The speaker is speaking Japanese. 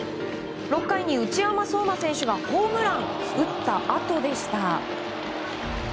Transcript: ６回に内山壮真選手がホームランを打ったあとでした。